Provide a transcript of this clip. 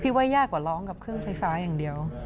ว่ายากกว่าร้องกับเครื่องไฟฟ้าอย่างเดียว